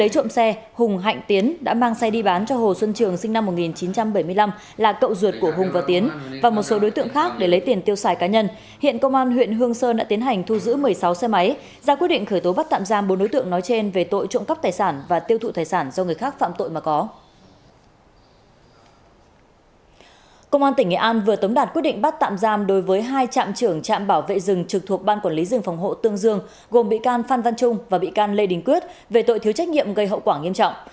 công an tỉnh nghệ an vừa tống đạt quyết định bắt tạm giam đối với hai trạm trưởng trạm bảo vệ rừng trực thuộc ban quản lý rừng phòng hộ tương dương gồm bị can phan văn trung và bị can lê đình quyết về tội thiếu trách nhiệm gây hậu quả nghiêm trọng